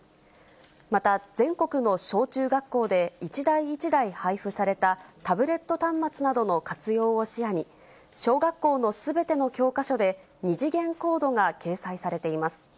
また、全国の小中学校で一台一台配布されたタブレット端末などの活用を視野に、小学校のすべての教科書で、２次元コードが掲載されています。